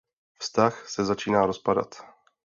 Vztah se začíná rozpadat.